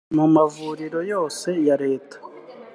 mu mavuriro yose ya leta